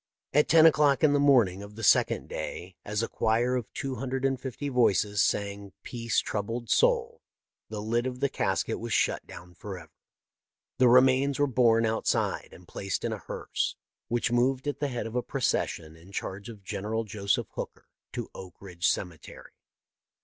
At ten o'clock in the morning of the second day, as a choir of two hundred and fifty voices sang " Peace, Troubled Soul," the lid of the casket was shut down forever. The remains were borne outside and placed in a hearse, which moved at the head of a procession in charge of General Joseph Hooker to Oak Ridge cemetery.